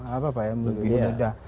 apa ya lebih mudah